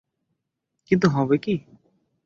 কিন্তু হবে কী?